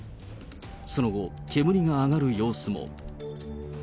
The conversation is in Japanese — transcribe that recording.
その後、煙が上がる様子も。